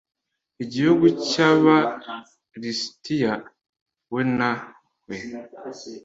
igihugu cy aba lisitiya we nawe